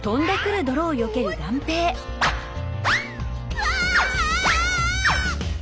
うわ！